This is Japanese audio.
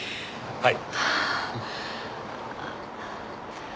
はい。